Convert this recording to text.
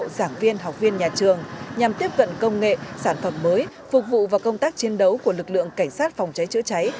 giảng viên học viên nhà trường nhằm tiếp cận công nghệ sản phẩm mới phục vụ và công tác chiến đấu của lực lượng cảnh sát phòng cháy chữa cháy